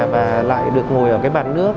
và lại được ngồi ở cái bàn nước